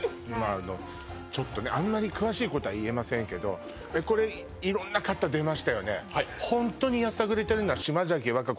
あのちょっとねあんまり詳しいことは言えませんけどこれ色んな方出ましたよね